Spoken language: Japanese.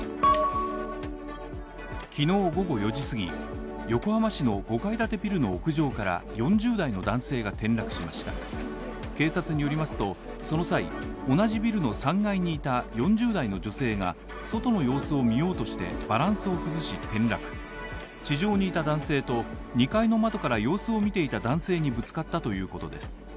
きのう午後４時すぎ、横浜市の５階建てビルの屋上から４０代の男性が転落しました警察によりますと、その際、同じビルの３階にいた４０代の女性が外の様子を見ようとしてバランスを崩し転落、地上にいた男性と２階の窓から様子を見ていた男性にぶつかったということです。